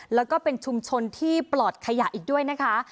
แล้วก็เป็นชุมชนที่ปลอดขยะอีกด้วยนะคะ